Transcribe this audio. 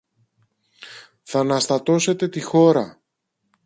Θ' αναστατώσετε τη χώρα!